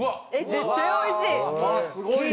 絶対おいしい！